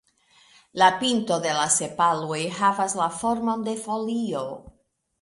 La pintoj de la sepaloj havas la formon de folio.